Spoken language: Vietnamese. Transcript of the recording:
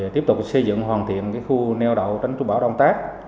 tiếp tục xây dựng hoàn thiện khu neo đậu tránh trú bão đông tát